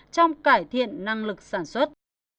trong cải thiện năng lực sản xuất